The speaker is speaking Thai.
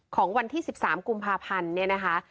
ของวันที่๑๓กุมภาพันธ์เนี่ยนะคะ